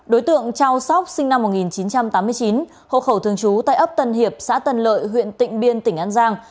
đối tượng trao sóc sinh năm một nghìn chín trăm tám mươi chín hộ khẩu thường trú tại ấp tân hiệp xã tân lợi huyện tịnh biên tỉnh an giang